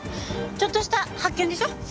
ちょっとした発見でしょ？